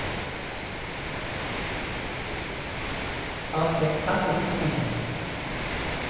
かわって関東甲信越のニュースです。